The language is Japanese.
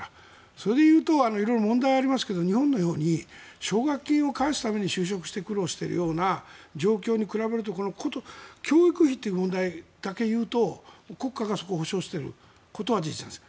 それでいうと色々問題はありますが日本のように奨学金を返すために就職して苦労しているような状況に比べるとこと教育費という問題だけいうと国家がそこを保証しているのが事実です。